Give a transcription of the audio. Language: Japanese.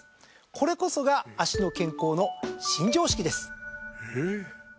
これこそが脚の健康の新常識です。